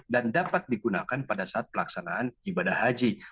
dan dapat digunakan pada saat pelaksanaan ibadah haji